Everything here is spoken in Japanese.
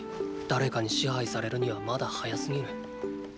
誰かに支配されるにはまだ早すぎる。